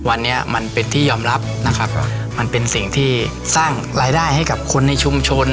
วันนี้มันเป็นที่ยอมรับนะครับมันเป็นสิ่งที่สร้างรายได้ให้กับคนในชุมชน